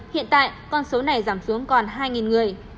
hiện tại con số này giảm xuống còn hai người